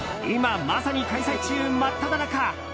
今、まさに開催中真っただ中。